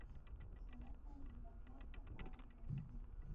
د سړک نښې د لارښود لپاره ضروري دي.